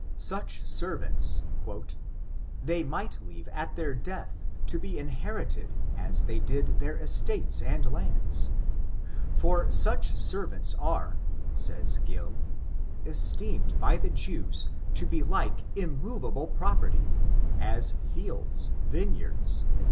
Such servants "they might leave at their death to be inherited, as they did their estates and lands; for such servants are '.^^«^^^^ 118 ORIGIN, CHARACTER, AND (says Gill) esteemed by the Jews to be like iinmov«> able property, as fields, vineyards, &c.